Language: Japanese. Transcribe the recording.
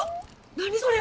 何それ！